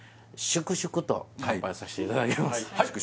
粛々と乾杯させていただきます